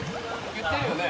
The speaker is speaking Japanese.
いってるよね？